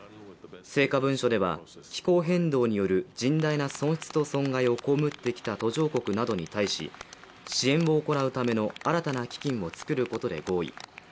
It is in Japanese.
成果文書では、気候変動による甚大な損失と損害を被ってきた途上国などに対し、支援を行うための新たな基金をつくることで合意。